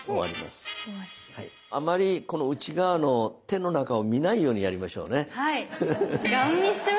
あまりこの内側の手の中を見ないようにやりましょうね。